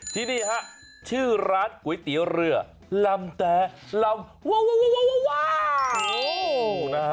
ที่นี่ฮะชื่อร้านก๋วยเตี๋ยวเรือลำแต่ลำว้าว